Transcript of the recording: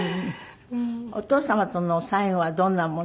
お父様との最後はどんなものでしたか？